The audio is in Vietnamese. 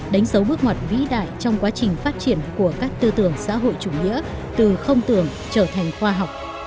đánh dấu bước ngoặt vĩ đại trong quá trình phát triển của các tư tưởng xã hội chủ nghĩa từ không tưởng trở thành khoa học